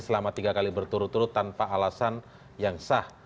selama tiga kali berturut turut tanpa alasan yang sah